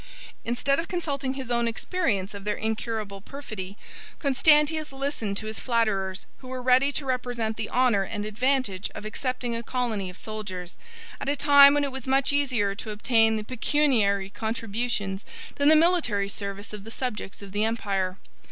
Instead of consulting his own experience of their incurable perfidy, Constantius listened to his flatterers, who were ready to represent the honor and advantage of accepting a colony of soldiers, at a time when it was much easier to obtain the pecuniary contributions than the military service of the subjects of the empire.